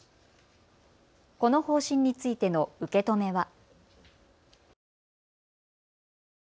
この方針についての受け止めは。